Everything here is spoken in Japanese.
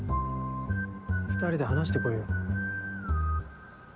２人で話してこいよ。